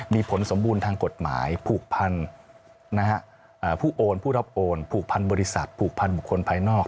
มีผลสมบูรณ์ทางกฎหมายผูกพันผู้โอนผู้รับโอนผูกพันบริษัทผูกพันบุคคลภายนอก